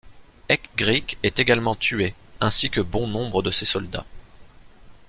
Ecgric est également tué, ainsi que bon nombre de ses soldats.